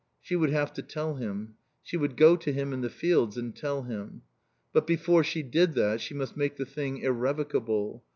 She would have to tell him. She would go to him in the fields and tell him. But before she did that she must make the thing irrevocable.